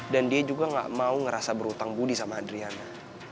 dan dia juga nggak mau ngerasa berutang budi sama adriana